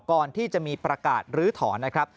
ก่อนที่จะมีประกาศลื้อถอนนะครับ